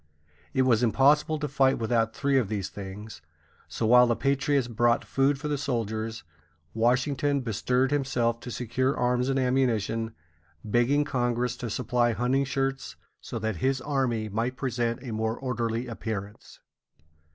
It was impossible to fight without three of these things; so while the patriots brought food for the soldiers, Washington bestirred himself to secure arms and ammunition, begging Congress to supply hunting shirts, so that his army might present a more orderly appearance.